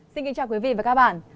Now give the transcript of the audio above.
xin kính chào quý vị và các bạn